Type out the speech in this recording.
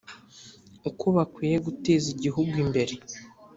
uko bakwiye guteza igihugu imbere